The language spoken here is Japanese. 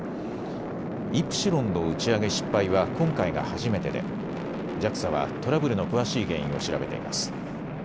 イプシロンの打ち上げ失敗は今回が初めてでＪＡＸＡはトラブルの詳しい原因を調べています。